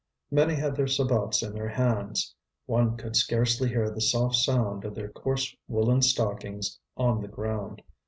Many had their sabots in their hands; one could scarcely hear the soft sound of their coarse woollen stockings on the ground.